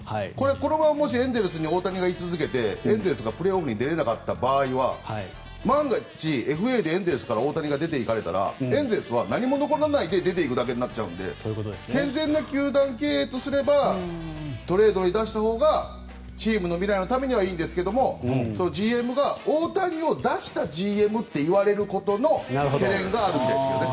このままもしエンゼルスに大谷がい続けてエンゼルスがプレーオフに出れなかった場合は万が一ＦＡでエンゼルスから大谷が出ていったらエンゼルスは何も残らないで出ていくだけになっちゃうので健全な球団経営とすればトレードに出したほうがチームの未来のためにはいいんですがＧＭが大谷を出したＧＭといわれることの懸念があるんですよね。